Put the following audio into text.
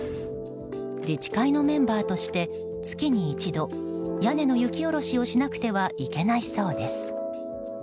自治会のメンバーとして月に１度屋根の雪下ろしをしなくてはいけないそうです。